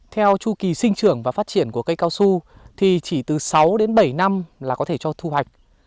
theo chu kỳ sinh trưởng và phát triển của cây cao su thì chỉ từ sáu đến bảy năm là có thể cho thu hoạch